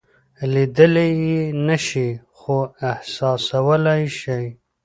لیدلی یې نشئ خو احساسولای یې شئ.